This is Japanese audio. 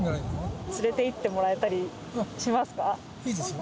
連れて行ってもらえたりしますか？